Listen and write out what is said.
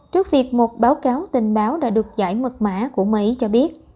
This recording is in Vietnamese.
trước việc một báo cáo tình báo đã được giải mật mã của mỹ cho biết